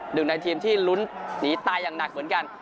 หนึ่งในทีมที่ลุ้นหนีตายอย่างหนักเหมือนกัน